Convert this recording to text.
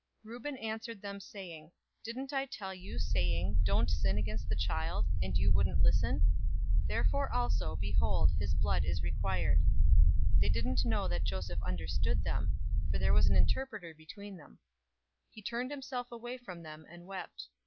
042:022 Reuben answered them, saying, "Didn't I tell you, saying, 'Don't sin against the child,' and you wouldn't listen? Therefore also, behold, his blood is required." 042:023 They didn't know that Joseph understood them; for there was an interpreter between them. 042:024 He turned himself away from them, and wept.